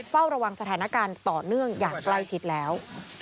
เฝ้าระวังสถานการณ์ต่อเนื่องอย่างใกล้ชิดแล้ว